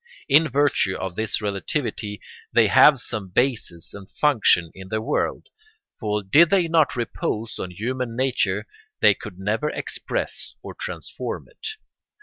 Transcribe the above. In virtue of this relativity they have some basis and function in the world; for did they not repose on human nature they could never express or transform it.